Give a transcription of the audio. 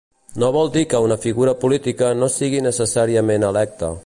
No vol dir que una figura política no sigui necessàriament electa.